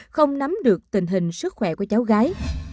không nắm được tình hình sức khỏe của cháu gái